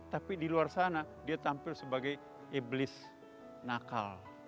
tapi di luar sana dia tampil sebagai iblis nakal